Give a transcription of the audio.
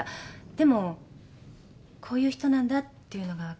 でもこういう人なんだっていうのが分かって。